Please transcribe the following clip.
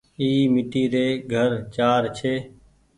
اي ميٽي ري گهر چآر ڇي۔